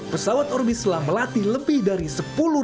pesawat orbis telah melatih lebih dari sepuluh pesawat